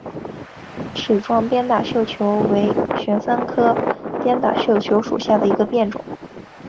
齿状鞭打绣球为玄参科鞭打绣球属下的一个变种。